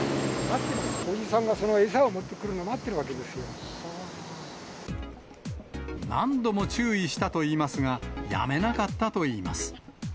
おじさんがその餌を持ってくるの何度も注意したといいますが、やめなかったといいます。